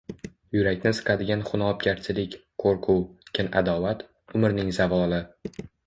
Yurakni siqadigan xunobgarchilik, qo‘rquv, kin-adovat — umrning zavoli.